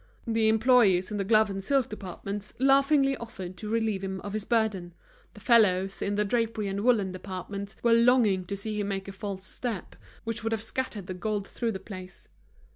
The employees in the glove and silk departments laughingly offered to relieve him of his burden, the fellows in the drapery and woollen departments were longing to see him make a false step, which would have scattered the gold through the place.